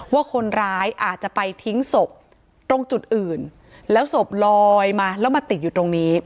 ว่าคนร้ายอาจจะไปทิ้งศพตรงจุดอื่นแล้วศพลอยมาแล้วมาติดอยู่ตรงนี้